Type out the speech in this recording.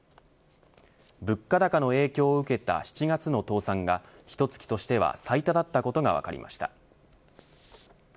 物価高の影響を受けた７月の倒産がひと月としては最多だったことが分かりました。